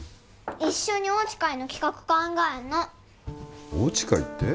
一緒におうち会の企画考えんのおうち会って？